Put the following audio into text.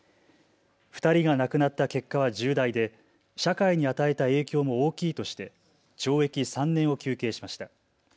２人が亡くなった結果は重大で社会に与えた影響も大きいとして懲役３年を求刑しました。